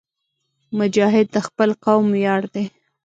مجاهد د خپل قوم ویاړ دی.